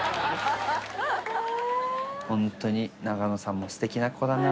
ホントに永野さんもすてきな子だな。